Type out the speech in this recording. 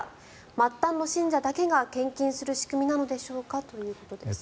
末端の信者だけが献金する仕組みなんでしょうかということです。